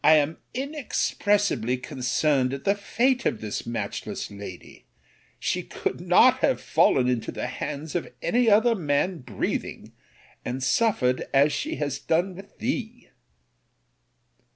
I am inexpressibly concerned at the fate of this matchless lady! She could not have fallen into the hands of any other man breathing, and suffered as she has done with thee.